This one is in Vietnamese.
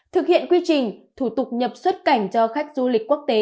thực hiện quy trình thủ tục nhập xuất cảnh cho khách du lịch quốc tế